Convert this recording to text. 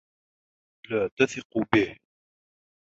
لا تثقوا به.